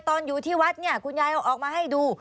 ตอนที่วัดเนี่ยคุณยายเอาออกมาให้ดู